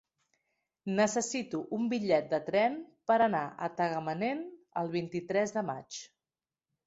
Necessito un bitllet de tren per anar a Tagamanent el vint-i-tres de maig.